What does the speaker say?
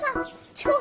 遅刻。